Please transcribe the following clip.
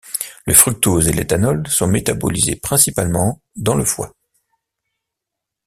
Le fructose et l'éthanol sont métabolisés principalement dans le foie.